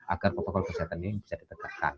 agar protokol kesehatan ini bisa ditegakkan